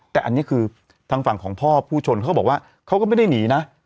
แต่อันนี้คือทางฝั่งของพ่อผู้ชนเขาบอกว่าเขาก็ไม่ได้หนีนะ